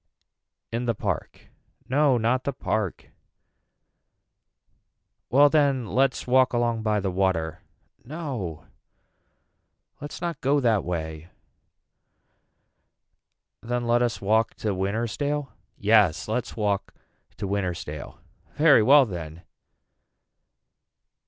In the park. No not the park. Well then let's walk along by the water. No let's not go that way. Then let us walk to Wintersdale. Yes let's walk to Wintersdale. Very well then.